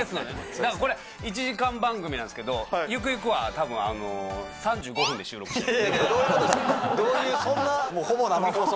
だからこれ、１時間番組なんですけど、ゆくゆくは、たぶん、３５分で収録します。